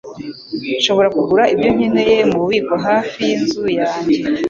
Nshobora kugura ibyo nkeneye mububiko hafi yinzu yanjye.